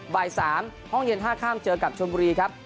บ่าย๓ห้องเย็นท่าข้ามเจอกับชนบุรีครับ